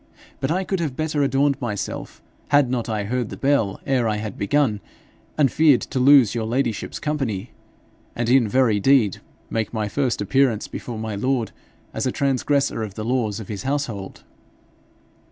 But I could have better adorned myself had not I heard the bell ere I had begun, and feared to lose your ladyship's company, and in very deed make my first appearance before my lord as a transgressor of the laws of his household.'